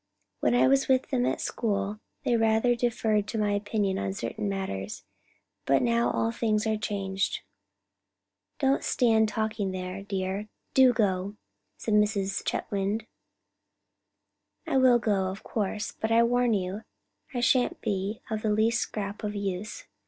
When I was with them at school they rather deferred to my opinion on certain matters, but now all things are changed." "Don't stand talking there, dear; do go," said Mrs. Chetwynd. "I will go, of course, but I warn you I shan't be the least scrap of use.